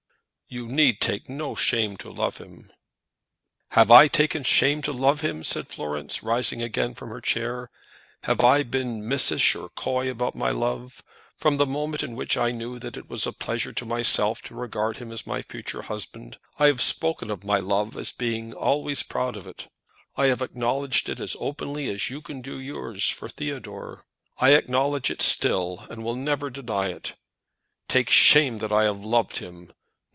"You need take no shame to love him." "Have I taken shame to love him?" said Florence, rising again from her chair. "Have I been missish or coy about my love? From the moment in which I knew that it was a pleasure to myself to regard him as my future husband, I have spoken of my love as being always proud of it. I have acknowledged it as openly as you can do yours for Theodore. I acknowledge it still, and will never deny it. Take shame that I have loved him!